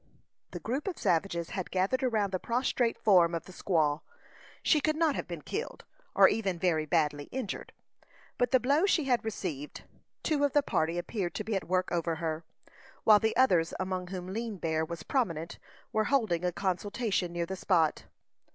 The group of savages had gathered around the prostrate form of the squaw. She could not have been killed, or even very badly injured, by the blow she had received. Two of the party appeared to be at work over her, while the others, among whom Lean Bear was prominent, were holding a consultation near the spot.